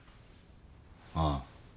ああ。